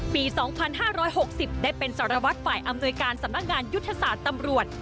ปี๒๕๖๐ได้เป็นสารวัตรฝ่ายอำนวยการสำนักงานยุทธศาสตร์ตำรวจ